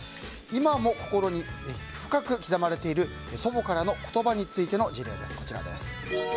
今も心に深く刻まれている祖母からの言葉についての事例。